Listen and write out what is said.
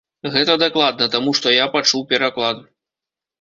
Гэта дакладна, таму што я пачуў пераклад.